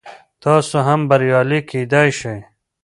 تاسو هم بریالی کیدلی شئ.